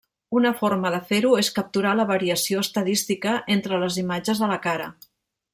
Una forma de fer-ho és capturar la variació estadística entre les imatges de la cara.